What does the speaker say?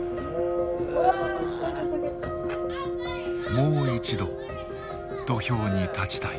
もう一度土俵に立ちたい。